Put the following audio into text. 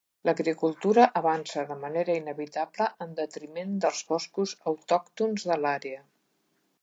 L'agricultura avança de manera inevitable en detriment dels boscos autòctons de l'àrea.